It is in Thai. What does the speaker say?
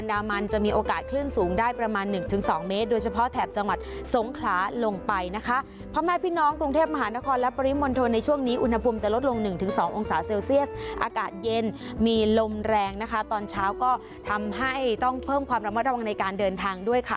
อากาศเซลเซียสอากาศเย็นมีลมแรงนะคะตอนเช้าก็ทำให้ต้องเพิ่มความรับมาตรวงในการเดินทางด้วยค่ะ